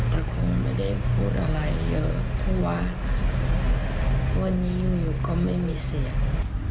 แต่คงไม่ได้พูดอะไรเยอะเพราะว่าวันนี้อยู่ก็ไม่มีเสียง